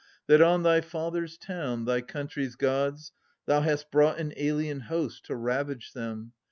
That on thy father's town, thy country's Gods, Thou hast brought an alien host, to ravage them